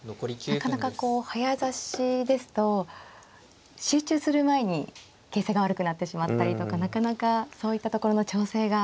なかなかこう早指しですと集中する前に形勢が悪くなってしまったりとかなかなかそういったところの調整が。